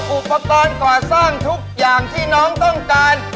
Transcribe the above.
อุปกรณ์ก่อสร้างทุกอย่างที่น้องต้องการ